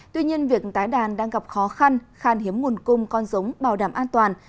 tuy nhiên việc tái đàn đang gặp khó khăn khan hiếm nguồn cung con giống bảo đảm an toàn